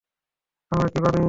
আমার কি, বানি?